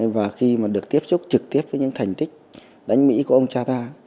và khi mà được tiếp xúc trực tiếp với những thành tích đánh mỹ của ông cha ta